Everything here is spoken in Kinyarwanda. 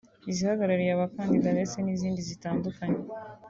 izihagarariye abakandida ndetse n’izindi zitandukanye